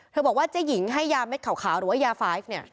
บอกว่าเจ๊หญิงให้ยาเม็ดขาวหรือว่ายาไฟล์เนี่ย